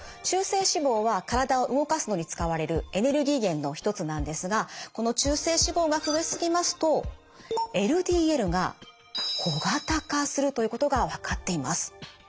中性脂肪は体を動かすのに使われるエネルギー源の一つなんですがこの中性脂肪が増えすぎますとＬＤＬが小型化するということが分かっています。